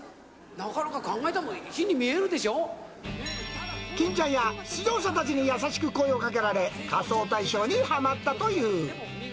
なかなか考えたの、欽ちゃんや出場者たちに優しく声をかけられ、仮装大賞にはまったという。